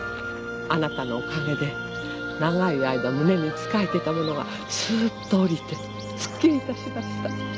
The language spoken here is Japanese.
あなたのおかげで長い間胸につかえてたものがすーっと下りてすっきりいたしました。